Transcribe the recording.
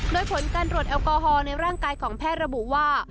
โดยผลการตรวจแอลกอฮอล์ในร่างกายของแพทย์ระบุว่า